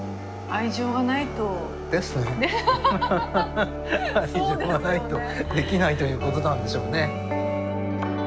愛情がないとできないということなんでしょうね。